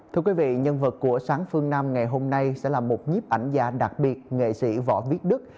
thưa quý vị nhân vật của sáng phương nam ngày hôm nay sẽ là một nhiếp ảnh gia đặc biệt nghệ sĩ võ viết đức